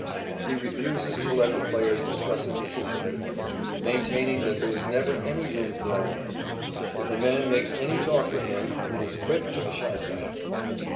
He refuses to let the players discuss a decision with him, maintaining that there is never any room for argument. If a man makes any talk with him, it is quick to the shower bath.